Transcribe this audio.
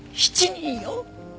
７人よ！